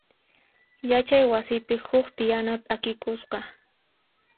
Yachay wasipi huk tiyana p'akikusqa.